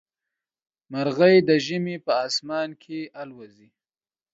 مرغۍ د ژمي په اسمان کې الوزي.